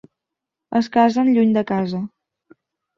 Es cansen lluny de casa.